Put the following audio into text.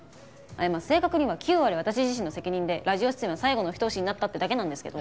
いやまあ正確には９割は私自身の責任でラジオ出演は最後のひと押しになったってだけなんですけど。